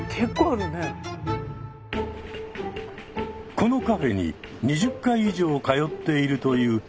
このカフェに２０回以上通っているという常連の尾崎さん。